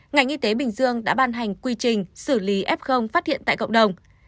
ngành y tế bình dương đã ban hành quy trình xử lý f phát hiện tại cộng đồng